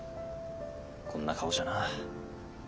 こんな顔じゃな。